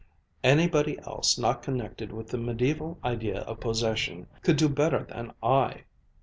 Anybody else not connected with the mediaeval idea of 'possession' could do better than I.